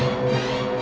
tarik talinya charles